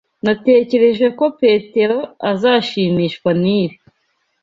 Natekereje ko Petero azashimishwa nibi.